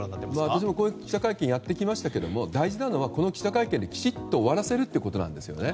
私も記者会見をやってきましたけど大事なのはこの記者会見できちんと終わらせるということなんですね。